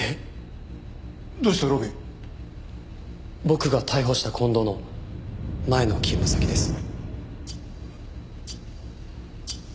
僕が逮捕した近藤の前の勤務先です。